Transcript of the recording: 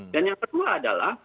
dan yang pertama adalah